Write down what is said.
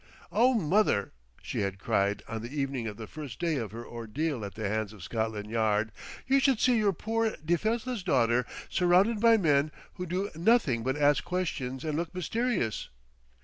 "Oh, mother!" she had cried on the evening of the first day of her ordeal at the hands of Scotland Yard, "you should see your poor, defenceless daughter surrounded by men who do nothing but ask questions and look mysterious.